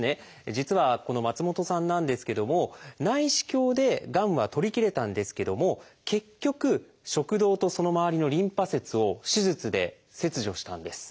実はこの松本さんなんですけども内視鏡でがんは取り切れたんですけども結局食道とそのまわりのリンパ節を手術で切除したんです。